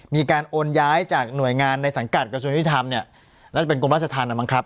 มีการโอนย้ายจากหน่วยงานในสังกัดกระทรวงยุติธรรมเนี่ยน่าจะเป็นกรมราชธรรมอ่ะมั้งครับ